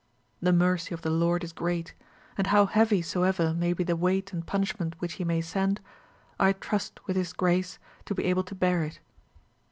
The mercy of the Lord is great; and how heavy soever may be the weight and punishment which He may send, I trust, with His grace, to be able to bear it."